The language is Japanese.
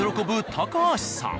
高橋さん。